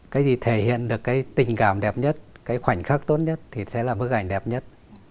cái gì thể hiện được tình cảm đẹp nhất khoảnh khắc tốt nhất thì sẽ là bức ảnh đẹp nhất